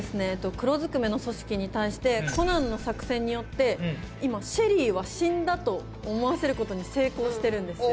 黒ずくめの組織に対してコナンの作戦によって今シェリーは死んだと思わせることに成功してるんですよ。